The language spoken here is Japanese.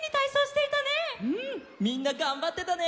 みんながんばってたね。